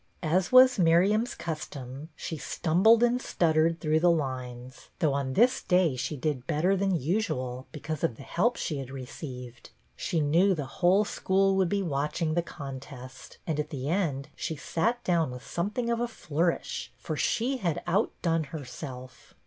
As was Miriam's custom she stumbled and stuttered through the lines, though on this day she did better than usual because of the help she had received. She knew the whole school would be watching the contest ; and at the end she sat down with something of a flourish, for she had outdone herself.